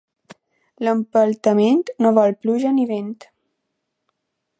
L'empeltament no vol pluja ni vent.